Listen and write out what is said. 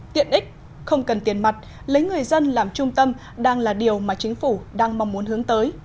tiện ích không cần tiền mặt lấy người dân làm trung tâm đang là điều mà chính phủ đang mong muốn hướng tới